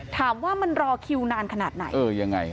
ถามว่ามันรอคิวนานขนาดไหน